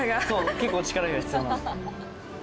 結構力が必要なの。